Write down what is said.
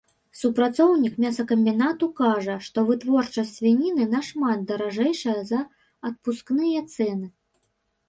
Супрацоўнік мясакамбінату кажа, што вытворчасць свініны нашмат даражэйшая за адпускныя цэны.